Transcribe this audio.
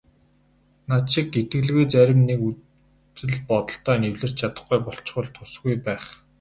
Над шиг итгэлгүй зарим нэг үзэл бодолтой нь эвлэрч чадахгүй болчихвол тусгүй байх.